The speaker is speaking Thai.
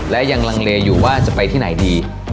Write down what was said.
และยังลังเลอยู่ว่าจะไปที่ไหนดี